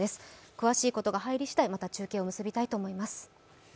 詳しいことが入りしだい、また中継を結びたいと思います。